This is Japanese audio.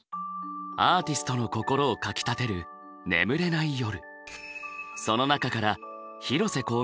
アーティストの心をかきたてる眠れない夜。